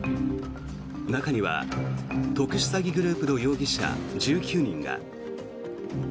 中には特殊詐欺グループの容疑者１９人が。